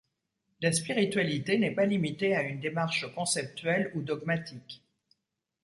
La spiritualité n'est pas limitée à une démarche conceptuelle ou dogmatique.